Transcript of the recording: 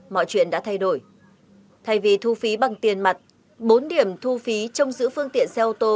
mọi chuyện đã thay đổi thay vì thu phí bằng tiền mặt bốn điểm thu phí trong giữ phương tiện xe ô tô